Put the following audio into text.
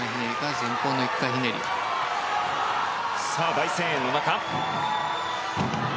大声援の中。